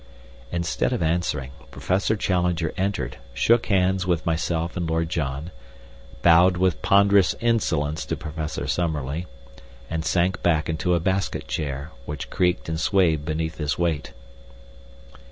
Instead of answering, Professor Challenger entered, shook hands with myself and Lord John, bowed with ponderous insolence to Professor Summerlee, and sank back into a basket chair, which creaked and swayed beneath his weight.